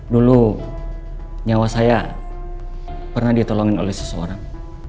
dulu nyawa saya pernah ditolongin oleh seseorang